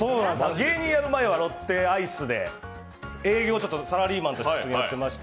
芸人やる前はロッテアイスで、営業をサラリーマンとしてさせてもらってまして。